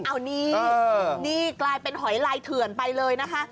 เอานี่นี่กลายเป็นหอยลายเถื่อนไปเลยนะคะ